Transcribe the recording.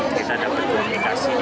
dan kita dapat komunikasi